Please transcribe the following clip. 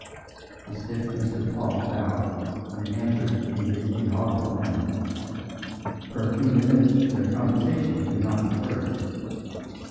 The stiff Mr. Paul bowed and answered in his inaudible manner; for a few minutes their conversation could not be heard.